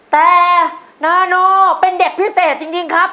แต่นาโนเป็นเด็กพิเศษจริงครับ